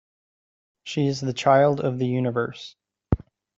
She is the child of the universe.